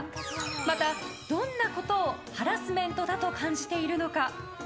また、どんなことをハラスメントだと感じているのか。